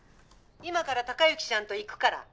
今から隆行ちゃんと行くから。